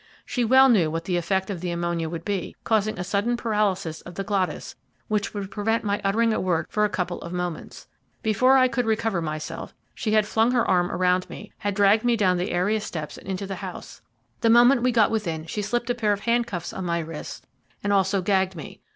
She well knew what the effect of the ammonia would be, causing a sudden paralysis of the glottis, which would prevent my uttering a word for a couple of moments. Before I could recover myself, she had flung her arm around me, had dragged me down the area steps and into the house. The moment we got within she slipped a pair of hand cuffs on my wrists and also gagged me.